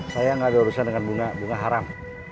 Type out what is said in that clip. saya nggak ada urusan dengan bunga bunga haram